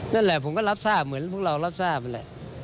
นั่นแหละผมก็รับทราบเหมือนพวกเรารับทราบนั่นแหละ